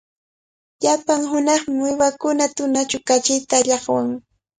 Llapan hunaqmi uywakuna tunachaw kachita llaqwan.